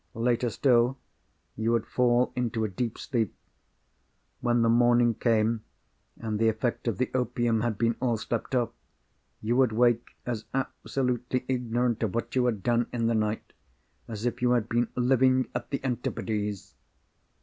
Later still you would fall into a deep sleep. When the morning came, and the effect of the opium had been all slept off, you would wake as absolutely ignorant of what you had done in the night as if you had been living at the Antipodes.